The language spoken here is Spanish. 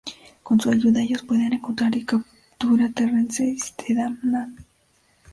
Con su ayuda, ellos pueden encontrar y captura Terrence Steadman.